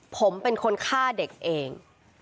ผมเป็นคนฆ่าเด็กเอง